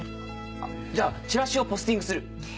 じゃあチラシをポスティングする。